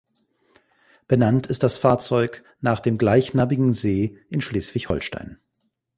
Benannt ist das Fahrzeug nach dem gleichnamigen See in Schleswig-Holstein.